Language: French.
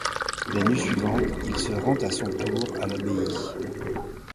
La nuit suivante, il se rend à son tour à l'abbaye.